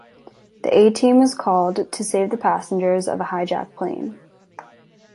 The A-team was called to save the passengers of a hijack plane.